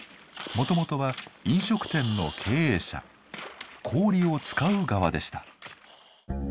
もともとは飲食店の経営者氷を使う側でした。